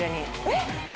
えっ！